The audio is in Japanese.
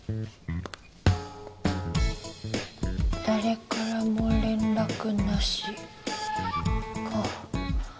誰からも連絡なしか。